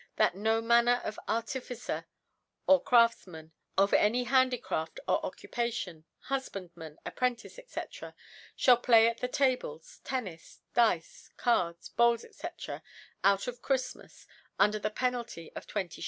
that no Manner of Artificer or Craftfman of any Handicraft or Occupation, Hufband .man, Appren&ce, &r Ihall play at the Tables, Tennisf» Dice, Cards, Bowls, 6f^» out of Cbriftims under the Penalty of aos.